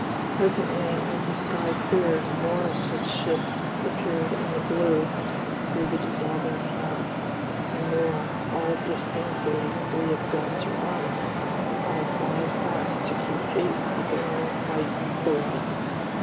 Presently, as the sky cleared, more of such ships appeared in the blue through the dissolving clouds, and more, all disdainfully free of guns or armour, all flying fast to keep pace with the running fight below.